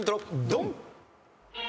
ドン！